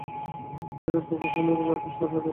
এইরূপ উপাসনাপ্রণালী ভারতের সকল সাধকের মধ্যে প্রচলিত।